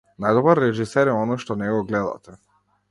Најдобар режисер е оној што не го гледате.